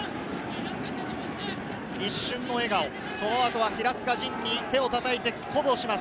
一瞬の笑顔、その後は平塚仁に手をたたいて鼓舞します。